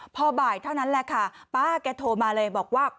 พอบ่ายเท่านั้นแหละค่ะป้าแกโทรมาเลยบอกว่า